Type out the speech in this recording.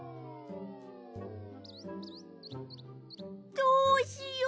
どうしよう。